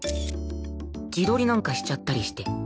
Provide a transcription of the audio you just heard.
自撮りなんかしちゃったりして